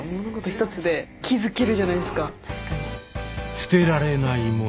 捨てられない物。